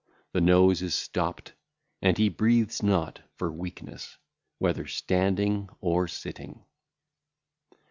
The nose is stopped, and he breatheth not for weakness (?), whether standing or sitting.